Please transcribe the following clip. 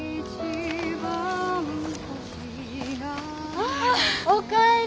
ああおかえり。